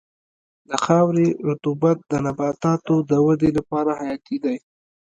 د خاورې رطوبت د نباتاتو د ودې لپاره حیاتي دی.